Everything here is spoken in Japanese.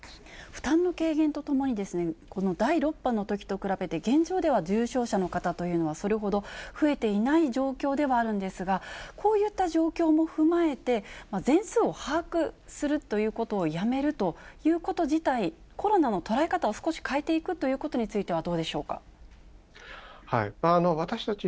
負担の軽減とともに、第６波のときと比べて、現状では重症者の方というのは、それほど増えていない状況ではあるんですが、こういった状況も踏まえて、全数を把握するということをやめるということ自体、コロナの捉え方を少し変えていくということについては、どうでし私たち